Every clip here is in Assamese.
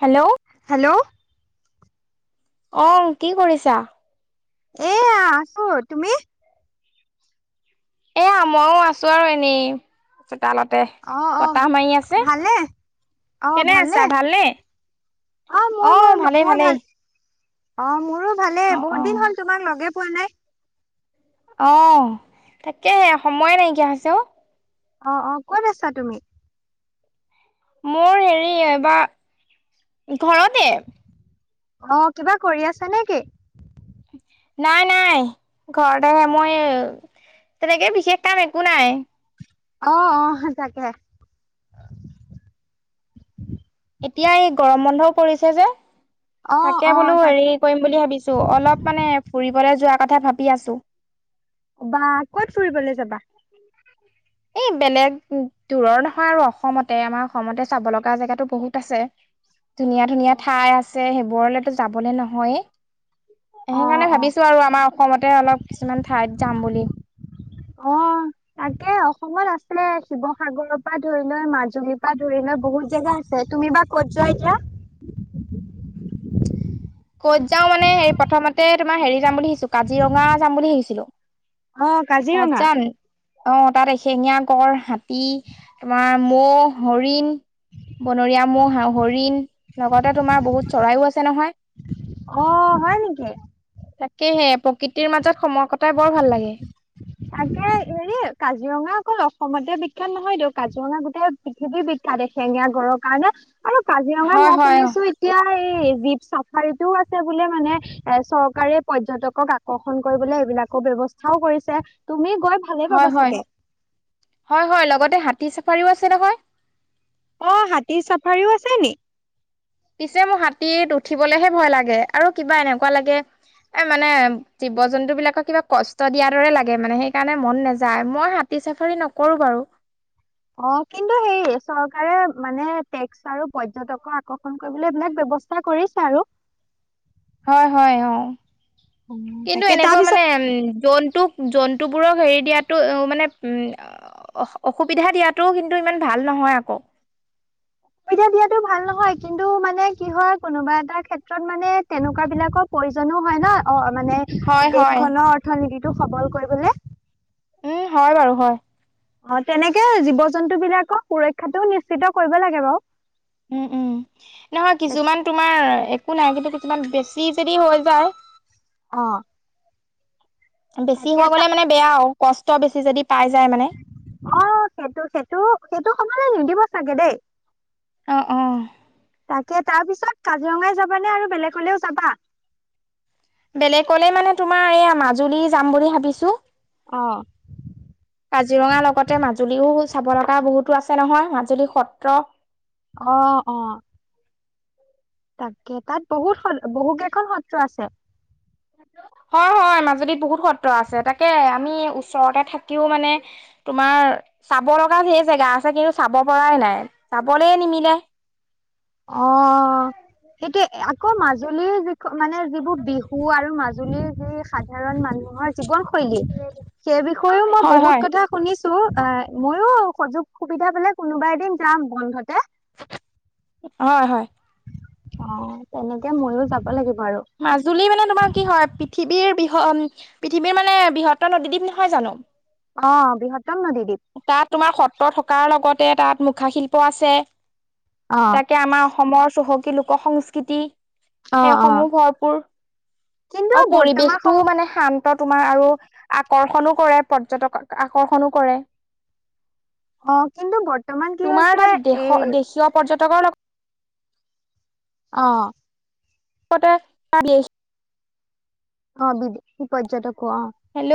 হেল্ল'? হেল্ল'? অ', কি কৰিছা? এয়া আছো তুমি? এয়া মইও আছো আৰু এনেই। চোতালতে অ অ বতাহ মাৰি আছে ভালনে কেনে আছা ভালনে? মোৰ মোৰ অ', ভালেই মোৰ ভালেই। ভাল অ', মোৰো ভালেই অ অ। বহুত দিন হ'ল তোমাক লগে পোৱা নাই। অহ তাকেহে সময়ে নাইকিয়া হৈছে অ'। অ', অ', ক'ত আছা তুমি? মোৰ হেৰি এইবাৰ ঘৰতে। অ', কিবা কৰি আছা নেকি? নাই নাই ঘৰতেহে মই তেনেকে বিশেষ কাম একো নাই। অহ অহ তাকে। এতিয়া এই গৰম বন্ধও পৰিছে যে। অ অ তাকে বোলো তাক হেৰি কৰিম বুলি ভাবিছো অলপ মানে ফুৰিবলৈ যোৱা কথা ভাবি আছো। বা ক'ত ফুৰিবলৈ যাবা এই বেলেগ দূৰৰ নহয় আৰু অসমতে আমাৰ অসমতে চাব লগা জেগাতো বহুত আছে। ধুনীয়া অ ধুনীয়া ঠাই আছে সেইবোৰলেতো যাবলে নহয়েই। অ সেইকাৰণে ভাবিছো আৰু আমাৰ অসমতে অলপ কিছুমান ঠাইত যাম বুলি। অ [inaudible] তাকে অসমত আছিলে শিৱসাগৰৰ পৰা ধৰি লৈ মাজুলীৰ পৰা ধৰি লৈ বহুত জেগা আছে। তুমি বা ক'ত যোৱা এতিয়া? [inaudible] ক'ত যাও মানে হে প্ৰথমতে তোমাৰ হেৰি যাম বুলি ভাবিছো কাজিৰঙা যাম বুলি ভাবিছিলোঁ। অ', কাজিৰঙা? অ', তাত এশেঙীয়া গড়, হাতী, তোমাৰ ম'হ, হৰিণ। বনৰীয়া ম'হ হৰিণ লগতে তোমাৰ বহুত চৰাইও আছে নহয়। অ', হয় নেকি? সেয়েহে প্ৰকৃতিৰ মাজত সম তাকে হেৰি কাজিৰঙা অকল অসমতে বিখ্যাত নহয়টো। কাজিৰঙা গোটেই পৃথিৱীৰ বিখ্যাত এশিঙীয়া গড়ৰ কাৰণে। আৰু কাজিৰঙাত হয় মই হয় শুনিছো এতিয়া এই জীপ চাফাৰীটোও আছে বোলে মানে এ চৰকাৰে পৰ্যটকক আকৰ্ষণ কৰিবলে এইবিলাক আকৌ ব্যৱস্থাও কৰিছে তুমি ভালে হয় পাবা হয় চাগে হয় হয় লগতে হাতী চাফাৰীও আছে নহয়। অ', হাতী চাফাৰীও আছে নি? পিছে মোৰ হাতীত উঠিবলেহে ভয় লাগে আৰু কিবা এনেকুৱা লাগে এ মানে জীৱ জন্তু বিলাকক কিবা কষ্ট দিয়াৰ দৰে লাগে মানে সেইকাৰণে মন নেযায় মই হাতি হাতী চাফাৰী নকৰো বাৰু। অ', কিন্তু হেৰি চৰকাৰে মানে টেক্স আৰু পৰ্যটকৰ আকৰ্ষণ কৰিবলৈ এইবিলাক ব্যৱহাৰ ব্যৱস্থা কৰিছে আৰু। হয় হয় অ'। অ কিন্তু তাকে এনেকুৱা তাৰপিছত মানে জন্তুক জন্তুবোৰক হেৰি দিয়াটো মানে অসুবিধা দিয়াতো কিন্তু ইমান ভাল নহয় আকৌ। অসুবিধা দিয়টো ভাল নহয় কিন্তু মানে কি হয় কোনোবা এটা ক্ষেত্ৰত মানে তেনেকুৱা বিলাকৰ প্ৰয়োজনো হয় ন অ' হয় মানে হয় দেশখনৰ অৰ্থনীতিটো সবল কৰিবলৈ। উম, হয় বাৰু হয়। অ', তেনেকে জীৱ জন্তুবিলাকক সুৰক্ষাটো নিশ্চিত কৰিব লাগে বাৰু। উম, উম, নহয় কিছুমান তোমাৰ একো নাই কিন্তু কিছুমান বেছি যদি হৈ যায়। অ'। বেছি তাকে হৈ তা গ'লে মানে বেয়া আৰু কষ্ট বেছি যদি পাই যায় মানে অ', সেইটো সেইটো সেইটো সময়লে নিদিব চাগে দেই। অ', অহ। তাকে তাৰ পিছত কাজিৰঙাই যাবানে আৰু বেলেগলেওঁ যাবা। বেলেগলে মানে তোমাৰ এইয়া মাজুলী যাম বুলি ভাবিছো। অ কাজিৰঙা লগতে মাজুলীও চাব লগা বহুতো আছে নহয় মাজুলী সত্ৰ। অ', অ'। তাকে, তাত বহুত সত বহু কেইখন সত্ৰ আছে। হয়, হয় মাজুলীত বহুত সত্ৰ আছে। তাকে আমি ওচৰতে থাকিও মানে তোমাৰ চাব লগা ধেই জেগা আছে। কিন্তু চাব পৰা নাই চাবলৈ নিমিলে। অ', সেইটোয়ে আকৌ মাজুলীৰ যিখ মানে যিবোৰ বিহু আৰু মাজু জুলীৰ যি সাধাৰণ মানুহৰ জীৱন শৈলী। সেই বিষয়েও মই হয় হয় বহুত কথা শুনিছো। অ', ময়ো সুযোগ সুবিধা পালে কোনোবা এদিন যাম বন্ধতে। হয়, হয়। অ', তেনেকে ময়ো যাব লাগিব। আৰু মাজুলী মানে তোমাৰ কি হয় পৃথিৱীৰ বি হ পৃথিৱীৰ মানে বৃহত্তৰ নদীদ্বীপ নহয় জানো? অ', বৃহত তাত তোমাৰ সত্ৰ থকাৰ লগতে তাত মুখাশিল্প আছে। অ', তাকে আমাৰ অসমৰ চহকী লোক সংস্কৃতি অ', অ', সেইসমূহ ভৰপূৰ। কিন্তু অ', বৰ্তমান সম পৰিৱেশটোও মানে শান্ তোমাৰ আৰু আকৰ্ষণো কৰে পৰ্যটকক আকৰ্ষণো কৰে। অ', কিন্তু বৰ্তমান কি তোমাৰ হৈছে তাত দেশ এই দেশীয় পৰ্যটকৰ লগ অ'। [inaudible] অ', বিদেশী পৰ্যটক হেল্ল'।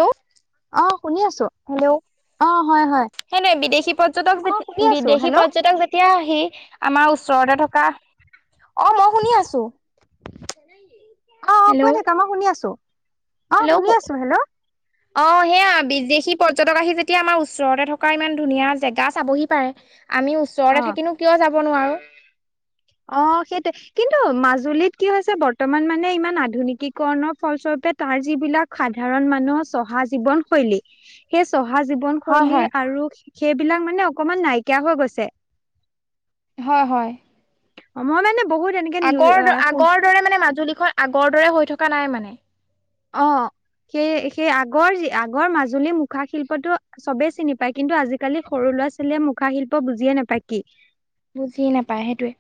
শুনি আছো। হেল্ল' অ', হয়, হয় সেইটোৱে বিদেশী পৰ্যটক অ', যেতি শুনি আছো বিদেশী হেল্ল' অ', পৰ্যটক যেতিয়া সেই আমাৰ ওচৰতে থকা, অ' মই শুনি আছো। অ', অ', কৈ হেল্ল' থাকা মই শুনি আছো। অ', শুনি হেল্ল' আছো হেল্ল! অ', সেয়া বিদেশী পৰ্যটক আহি যেতিয়া আমাৰ ওচৰতে থকা ইমান ধুনীয়া জেগা চাবহি পাৰে। আমি অ ওচৰতে থাকিনো কিয় যাব নোৱাৰো। অ', সেইটো কিন্তু মাজুলীত কি হৈছে বৰ্তমান মানে ইমান আধুনিকীকৰণৰ ফলস্বৰূপ তাৰ যিবিলাক সাধাৰণ মানুহৰ চহা জীৱন শৈলী। সেই চ চহা হয় জীৱনশৈলী হয় আৰু সেইবিলাক মানে অকমান নাইকিয়া হৈ গৈছে। হয়, হয়। অ', মই মানে বহুত এনেকে নিউ আগৰ আগৰ দৰে মানে মাজুলীখন আগৰ দৰে হৈ থকা নাই মানে। অ', সেই সেই আগৰ যি আগৰ মাজুলী মুখা শিল্পতো চবেই চিনি পায়। কিন্তু আজিকালি সৰু ল'ৰা ছোৱালীয়ে মুখা শিল্প ত' বুজিয়েই নাপায় কি? বুজিয়ে নাপায় সেইটোৱে।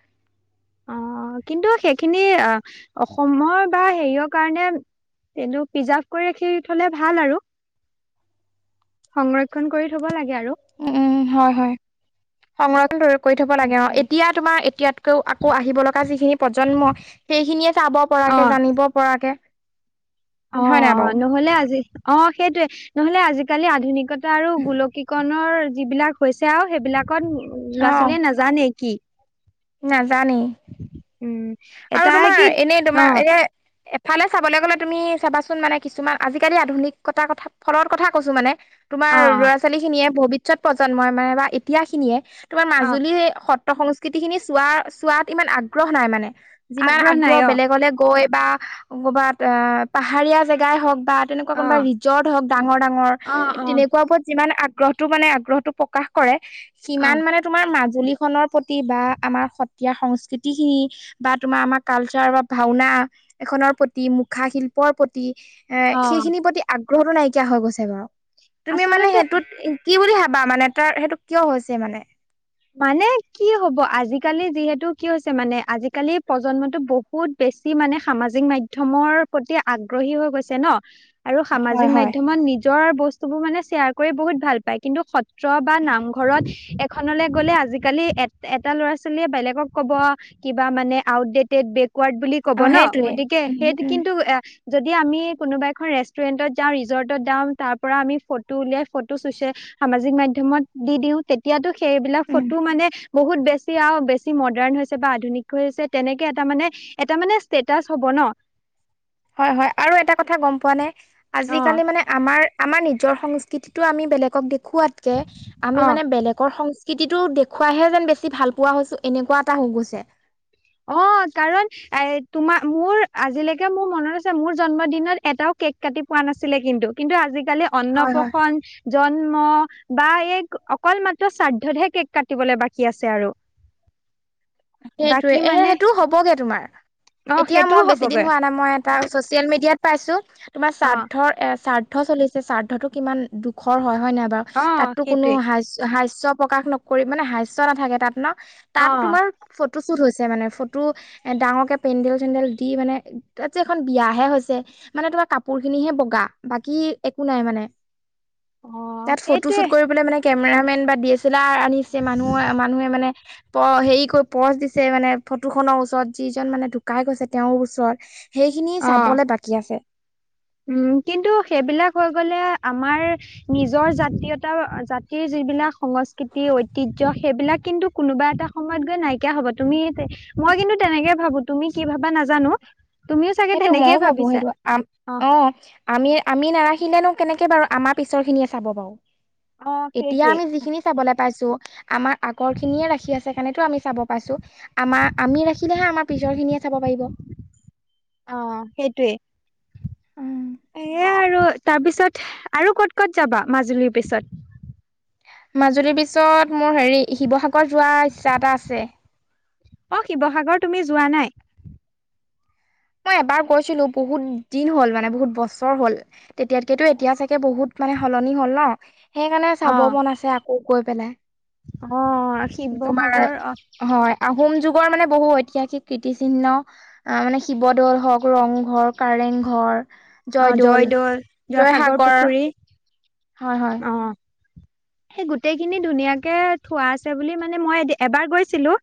অ', কিন্তু সেইখিনি অ', অসমৰ বা হেৰিয়ৰ কাৰণে এইদো প্ৰিজাৰ্ভ কৰি ৰাখি থলে ভাল আৰু। সংৰক্ষণ কৰি থব লাগ উ, হয়, হয়। সংৰটো দৰি কৰি থব লাগে তাকে অ', এতিয়া তোমাৰ এতিয়া ত' আকৌ আহিব লগা যিখিনি প্ৰজন্ম, সেইখিনিয়ে তাব অ পৰাকে, জানিব পৰাকে অ', হয় নাই বাৰু অ', নহলে আজি, অ', সেইটোৱে, নহলে আজি খালি আধুনিকতা আৰু গোলকীকৰণৰ যিবিলাক হৈছে আৰু সেইবিলাক কত অ ল'ৰা-ছোৱালীয়ে নাজানে কি? নাজানেই, উম আৰু এটাই তোমাৰ কি এনেই অ তোমাৰ এ ফালে চাবলৈ গ'লে তুমি, চাবাচোন মানে কিছুমান আজিকালি আধুনিকতাৰ কথা ফলৰ কথা কৈছো মানে। তোমাৰ, অ অ ল'ৰা-ছোৱালী খিনিয়ে ভৱিষ্যত প্ৰজন্মই মানে বা এতিয়া খিনিয়ে, তোমাৰ অ মাজুলী সত ত্ৰ, সংস্কৃতি খিনি চোৱা চোৱাত ইমান আগ্ৰহ নাই মানে। যিমান নাই আগ্ৰহ অ বেলেগলৈ গৈ বা ক'বাত এ, পাহাৰীয়া জেগাই হওঁক বা তেনেকুৱা অ কোনোবা ৰিজৰ্ট হওঁক ডাঙৰ ডাঙৰ, অ অ তেনেকুৱা বোৰত যিমান আগ গ্ৰহটো মানে আগ্ৰহটো প্ৰকাশ কৰে, অ সিমান মানে তোমাৰ মাজুলী খনৰ প্ৰতি কিবা আমাৰ সত্ৰীয়া সংস্কৃতি খিনি, বা তোমাৰ আমাৰ কালচাৰ বা ভাওনা এখনত প্ৰতি, মুখাশিল্পৰ প্ৰতি এ, অ সেইখিনিৰ প্ৰতি আগ্ৰহটো নাইকিয়া হৈ গৈছে বাৰু, তুমি মানে আচলতে সেইটোত কি বুলি ভাব বা মানে তাৰ সেইটো কিয় হৈছে মানে। মানে, কি হ'ব আজিকালি যিহেতু কি হৈছে মানে আজিকালি প্ৰজন্মতটো বহুত বে বেছি মানে সামাজিক মাধ্যমৰ প্ৰতি আগ্ৰহী হৈ গৈছে ন! আৰু হয় সামাজিক হয় মাধ্যমত নিজৰ বস্তুবোৰ মানে শ্বেয়াৰ কৰি বহুত ভাল পায়, কিন্তু সত ত্ৰ, বা নামঘৰত এত [unintelligible] গ'লে আজি কালি এট এটা ল'ৰা-ছোৱালীয়ে বেলেগক ক'ব, কিবা মানে আউটডেটেদ বেক ৱাৰ্ড বুলি কব অ ন, সেইটোৱে গতিকে উম সেইটো উম কিন্তু এ যদি আমি কোনোবা এখন ৰেষ্টুৰেণ্টত যাওঁ, ৰিজৰ্টত যাওঁ, তাৰ পৰা আমি ফটো উলিয়াই ফটো চুচে সামাজিক মাধ্যমত দি দিওঁ তেতিয়াতো সেইবিলাক উম ফটো মানে বহুত বেছি আও বেছি মডাৰ্ণ হৈছে বা আধুনিক হৈছে তেনেকে এটা মানে, এটা মানে ষ্টেটাচ হ'ব ন! হয়, হয় আৰু এটা কথা গম পোৱানে, অ আজিকালি মানে আমাৰ, আমাৰ নি নিজৰ সংস্কৃতিটো আমি বেলেগক দেখুৱাতকে, অ আমি মানে বেলেগৰ সংচ কৃতিটো দেখুৱাহে যেন বেছি ভালপোৱা হৈছো, এনেকুৱা এটা হ গৈছে। অ', কাৰণ, এ, তোমাৰ মোৰ আজিলৈকে মোৰ মনত আছে মোৰ জন্মদিনত এটাও কেক কাটি পোৱা নাছিলে কিন্তু। কিন্তু আজিকালি হয় হয় অন্নপশন, জন্ম বা এই অকল মাত্ৰ শ্ৰাদ্ধতহে কেক্ কাটিবলৈ বাকী আছে আৰু। সেইটোৱে। বাকী এ, মানে সে-সেইটো হ'বগে তোমাৰ। অ এতিয়া সেইটোও মই বেছি দিন হ'বগৈ হোৱা নাই মই এটা চচিয়েল মিড ইয়াত পাইছো, তোমাৰ অ শ্ৰাদ্ধ এ, শ্ৰাদ্ধ চলিছে শ্ৰাদ্ধটো কিমান দুখৰ হয়। হয় নহয় বাৰু, অ তাততো কোনো সেইটোৱে হাস্য, হাস্য প্ৰকাশ নকৰি মানে হাস্য নাথাকে তাত ন? অ তাত তোমাৰ ফটো শ্বুট হৈছে মানে, ফটো এ ডাঙৰ কে পেণ্ডেল চেণ্ডেল দি মানে, তাত যে এখন বিয়াহে হৈছে মানে তোমাৰ কাপোৰ খিনিহে বগা, বাকী একো নাই মানে। অ তাত ফটো সেইটোৱে শ্বুট কৰিবলে মানে কেমেৰামেন বা ডি এছ এল ব্লাৰ আনিছে মানুহে, মানুহে মানে প হেৰি ক পজ দিছে মানে ফটো খনৰ ওচৰত যিজন মানে ঢুকাই গৈছে তেওঁৰ ওচৰত সেইখিনি চাবলে বাকী আছে। উ, কিন্তু সেইবিলাক হৈ গ'লে আমাৰ, নিজৰ জাতীয়তা, জাতিৰ যি যিবিলাক সংস্কৃতি, ঐতিহ্য সেইবিলাক কিন্তু কোনোবা এটা সময়ত গৈ নাইকিয়া হ'ব, তুমি মই কিন্তু তেনেকে ভাবোঁ, তুমি কি ভাবা নাজানোঁ, তুমিও চাগে সেইটো তেনেকে ময়ো ভাবো ভাবিছাঁ। সেইটো আম অ', আমি আমি নাৰাখিলেনো কেনেকে বাৰু আমাৰ পিছৰ খিনিয়ে চাব বাৰু অ', এতিয়া সেইটোৱে আমি যিখিনি চাবলে পাইছোঁ, আমাৰ আগৰ খিনিয়ে ৰাখি আছে সেইকাৰণেটো আমি চাব পাইছোঁ, আমাৰ আমি ৰাখিলেহে আমাৰ পিছৰ খিনিয়ে চাব পাৰিব অ', সেইটোৱে উম্', এইয়া আৰু, তাৰপিছত আৰু ক'ত ক'ত যাবা মাজুলীৰ পিছত? মাজুলীৰ পিছত মোৰ হেৰি শিৱসাগৰত যোৱা ইচ্ছা এটা আছে অ', শিৱসাগৰ তুমি যোৱা নাই? মই এবাৰ গৈছিলোঁ, বহুত দিন হ'ল মানে বহুত বছৰ হ'ল তেতিয়াতকেতো এতিয়া চাগে বহুত মানে সলনি হ'ল ন? সেইকাৰণে চাব অ', মন আছে আকৌ গৈ পেলাই অ', আ তোমাৰ শিৱসাগৰ আ হয় আহোম যুগৰ মানে বহু ঐতিহাসিক কীৰ্তিচিহ্ন, আহ মানে শিৱদৌল হওক, ৰংঘৰ কাৰেংঘৰ, জয়দৌল, জয়সাগৰ হয়', হয়। অ'। সেই গোটেইখিনি ধুনীয়াকে থোৱা আছে বুলি মানে মই এবাৰ গৈছিলোঁ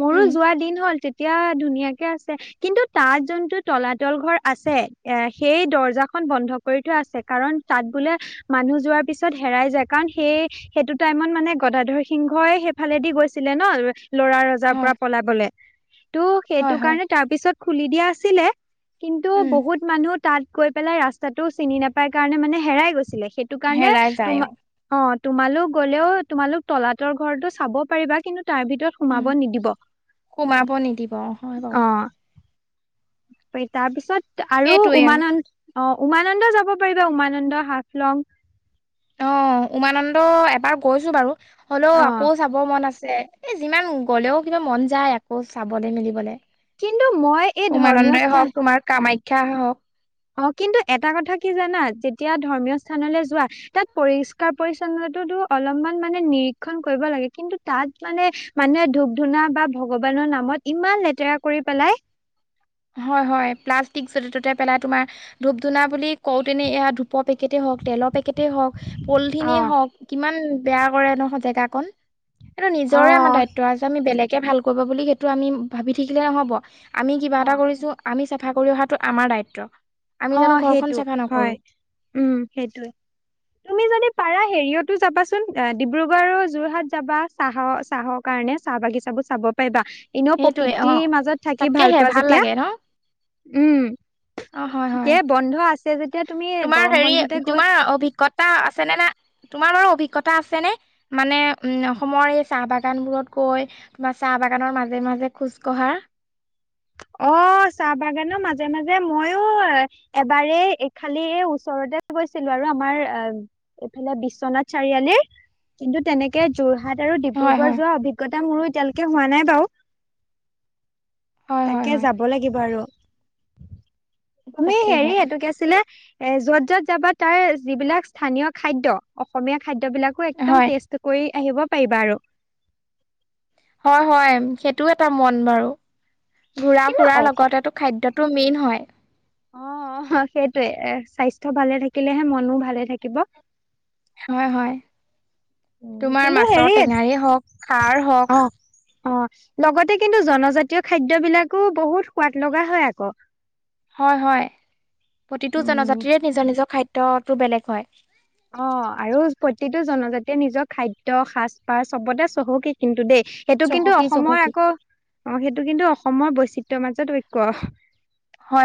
মোৰো উম যোৱা দিন হ'ল তেত য়া ধুনীয়াকে আছে কিন্তু তাত যোনটো তলাতল ঘৰ আছে, এ সেই দৰ্জাখন বন্ধ কৰি থোৱা আছে, কাৰণ তাত বোলে মানুহ যোৱাৰ পিছত হেৰাই যায়। কাৰণ সেই সেইটো টাইমত মানে গদাধৰ সিংহই সেইফালেদি গৈছিলে ন? ল'ৰা ৰজাৰ হয় পৰা পলাবলে। কিন্তু সেইটো হয় হয় কাৰণে তাৰ পিছত খুলি দিয়া আছিলে কিন্তু উম বহুত মানুহ তাত গৈ পেলাই ৰাস্তাটো চিনি নাপাই কাৰণে মানে হেৰাই গৈছিলে। সেইটো কাৰণে হেৰাই যায় তোমা অ অ', তোমালোক গ'লেও তোমালোক তলাতৰ ঘৰটো চাব পাৰিবা, কিন্তু তাৰ ভিতৰত উম সোমাব নিদিব, সোমাব নিদিব হয় বাৰু অ', তাৰপিছত আৰু উমানন্দ অ', উমানন্দ যাব পাৰিবা উমানন্দ, হাফলং অ', উমানন্দ এবাৰ গৈছো বাৰু, হ'লেও অ আকৌ চাব মন আছ এ যিমান গ'লেও কিবা মন যায় আকৌ চাবলে মেলিবলে কিন্তু মই এই ধৰ্মীয় উমানন্দই স্থান হওঁক, তোমাৰ কামাখ্যাই হওঁক অ', কিন্তু এটা কথা কি জানা? যেতিয়া ধৰ্মীয় স্থানলৈ যোৱা, তাত পৰিষ্কাৰ পৰিচ্ছন্নতো টো অলপ মানে নিৰীক্ষণ কৰিব লাগে, কিন্তু তাত মানে মানুহে ধূপ ধুনা বা ভগৱানৰ নামত ইমান লেতেৰা কৰি পেলাই হয়, হয়, প্লাষ্টিক যতে ত'তে পেলাই তোমাৰ ধূপ-ধুনা বুলি কওতেনে এয়া ধূ ধূপৰ পেকেটেই হওঁক, তেলৰ পেকেটেই হওঁক, অ পলিথিনে হওঁক, কিমান বেয়া কৰে নহয় জেগা কন, এইটো অ নিজৰে আমাৰ দায়িত্ব আজি আমি বেলেগ কে ভাল কৰিব সেইটো আমি ভাবি থাকিলে নহব, আমি কিবা অ এটা কৰিছোঁ আমি চাফ চাফা কৰি অহাটো আমাৰ দায়িত্ব আমি জানো অ', ঘৰখন সেইটো চাফা নকৰো হয়, উম', সেইটোয়ে, তুমি যদি পাৰা হেৰিয়তো যাবাচোন, ডিব্ৰুগড় আৰু যোৰহাট যাবা, চাহৰ-চাহৰ কাৰণে চাহ বাগিচা বো চাব পাৰিবা এনেও সেইটোয়ে অ'। প্ৰকৃতিৰ মাজত থাকি ভাল তাকেহে পোৱা যেতিয়া, লাগে ন উম', অ হয় হয় এ বন্ধ আছে। যেতিয়া তুমি তোমাৰ গৰম হেৰি বন্ধতে গৈ তোমাৰ অভিজ্ঞতা আছে নে নাই? তোমাৰ বাৰু অভিজ্ঞত তা আছেনে? মানে উম, অসমৰ এই চাহ বাগান বোৰত গৈ তোমাৰ চাহ বাগানৰ মাজে মাজে খোজ কঢ়া অ', চাহ বাগানৰ মাজে মাজে মইয়ো এবাৰেই এই খালি ওচৰত তে গৈছিলোঁ আৰু আমাৰ এ এইফালে বিশ্বনাথ চাৰিআলি কিন্তু তেনেকে যোৰহাট আৰু হয় ডিব্ৰুগড় হয় যোৱা অভিজ্ঞতা মোৰো এতিয়ালৈকে হোৱা নাই বাৰু হয় হয় তাকে হয় যাব লাগিব আৰু। তুমি তাকেহে হেৰি এতো কি আছিলে এ য'ত যত যাবা তাৰ যিবিলাক স্থানীয় খাদ্য অসমীয়া খাদ্যবিলাকো একদম হয় টেষ্ট কৰি আহিব পাৰিবা আৰু। হয় হয় সেইটোও এটা মন বাৰু। ঘূৰা কিন্তু ফুৰাৰ অ লগতেটো খাদ্যটো মেইন হয়। অ', সেইটয়ে এ স্বাস্থ্য ভালে থাকিলেহে মনো ভালে থাকিব। হয় হয় উম তোমাৰ কিন্তু মাছৰ হেৰি টেঙাৰেই হওক খাৰ হওক অ অ', লগতে কিন্তু জনজাতীয় খাদ্য বিলাকো বহুত সোৱাদ লগা হয় আকৌ। হয় হয় প্ৰতিটো উম, জনজাতিৰে নিজৰ নিজৰ খাদ্যটো বেলেগ হয়। অ', আৰু প্ৰতিটো জনজাতিয়ে নিজৰ খাদ্য সাজ পাৰ চবতে চহকী কিন্তু দেই। সেইটো কিন্তু চহকী অসমৰ চহকী আকৌ অ', সেই এইটো কিন্তু অসমৰ বৈচিত্ৰয়ৰ মাজত ঐক। হয়